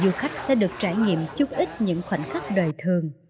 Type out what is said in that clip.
thì du khách sẽ được trải nghiệm chút ít những khoảnh khắc đời thường